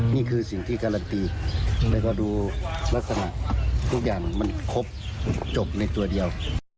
นี่คือสิ่งที่การันตีแล้วก็ดูลักษณะทุกอย่างมันครบจบในตัวเดียว